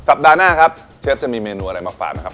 ปัดหน้าครับเชฟจะมีเมนูอะไรมาฝากนะครับ